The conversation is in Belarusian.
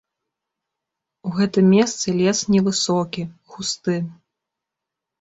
У гэтым месцы лес не высокі, густы.